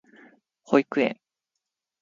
保育園